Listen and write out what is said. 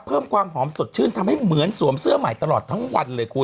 เพิ่มความหอมสดชื่นทำให้เหมือนสวมเสื้อใหม่ตลอดทั้งวันเลยคุณ